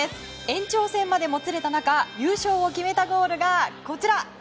延長戦までもつれた中優勝を決めたゴールがこちら。